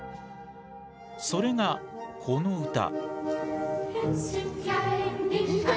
それがこの歌。